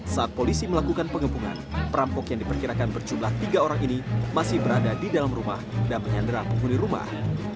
saat polisi melakukan pengepungan perampok yang diperkirakan berjumlah tiga orang ini masih berada di dalam rumah dan menyandera penghuni rumah